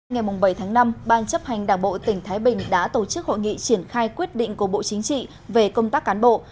ngày bảy tháng năm ban chấp hành đảng bộ tỉnh thái bình đã tổ chức hội nghị triển khai quyết định của bộ chính trị về công tác cán bộ